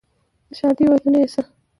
د ښادۍ ودونه یې شه،